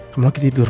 kamu lagi tidur